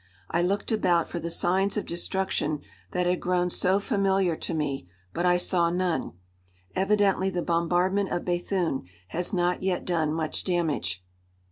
I looked about for the signs of destruction that had grown so familiar to me, but I saw none. Evidently the bombardment of Béthune has not yet done much damage.